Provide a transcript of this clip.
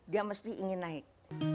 dia mesti ingin naik